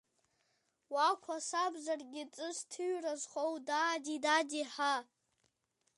Уа, қәасабзаргьы ҵыс ҭыҩра зхоу, даади, даади, ҳаа!